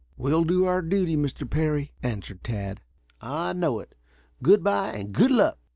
"We'll do our duty, Mr. Parry," answered Tad. "I know it. Good bye and good luck!"